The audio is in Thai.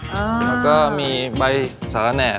แล้วก็มีใบสารแหน่